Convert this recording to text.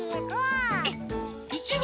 いちご。